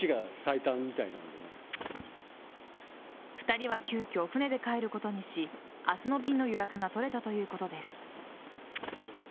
２人は急きょ船で帰ることにし明日の便の予約が取れたということです。